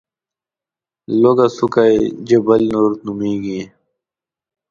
لوړه څوکه یې جبل نور نومېږي.